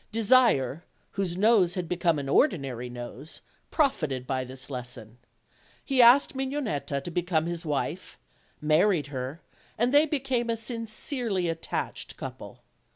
Desire, whose nose had become an ordinary nose, prof ited by this lesson. He asked Mignonetta to become his wife; married her, and they became a sincerely attached couple.